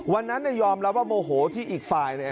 วันนั้นยอมรับว่าโมโหที่อีกฝ่าย